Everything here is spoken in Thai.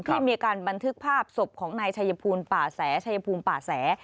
ที่มีการบันทึกภาพศพของนายชายภูมิป่าแส